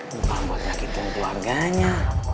bukan buat ngakitin keluarganya